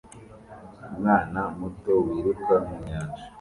Umwana muto wiruka mu nyanja